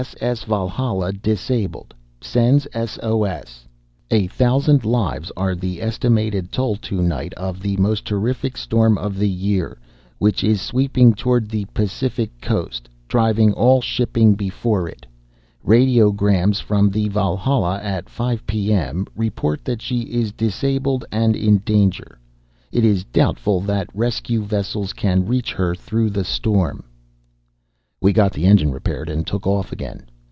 S. S. Valhalla, disabled, sends S. O. S. "A thousand lives are the estimated toll to night of the most terrific storm of the year, which is sweeping toward the Pacific coast, driving all shipping before it. Radiograms from the Valhalla at 5 P. M. report that she is disabled and in danger. It is doubtful that rescue vessels can reach her through the storm." We got the engine repaired, took off again.